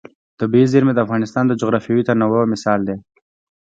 طبیعي زیرمې د افغانستان د جغرافیوي تنوع مثال دی.